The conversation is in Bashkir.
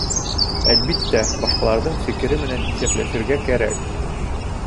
Әлбиттә, башҡаларҙың фекере менән иҫәпләшергә кәрәк.